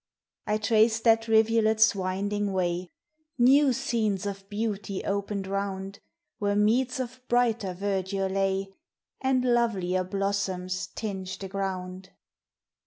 I traced thai rivulet's winding way; New scenes of beauty opened round, Where meads of brighter verdure lay, And lovelier blossoms tinged Hie ground.